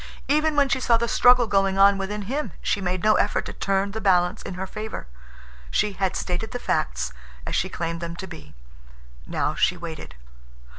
Even when she saw the struggle going on within him she made no effort to turn the balance in her favor. She had stated the facts, as she claimed them to be. Now she waited.